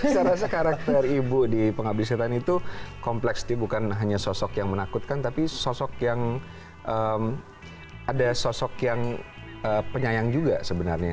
saya rasa karakter ibu di pengabdi setan itu kompleks bukan hanya sosok yang menakutkan tapi sosok yang ada sosok yang penyayang juga sebenarnya